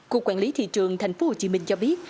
cục quản lý thị trường thành phố hồ chí minh cho biết